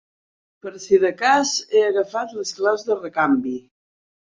Per si de cas he agafat les claus de recanvi.